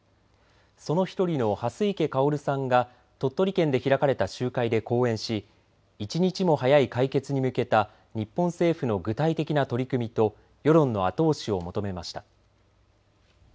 その１人の蓮池薫さんが鳥取県で開かれた集会で講演し一日も早い解決に向けた日本政府の具体的な取り組みと世論の後押しを求めました。